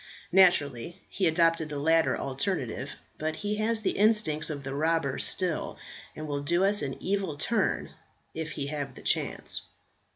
Naturally he adopted the latter alternative; but he has the instincts of the robber still, and will do us an evil turn, if he have the chance."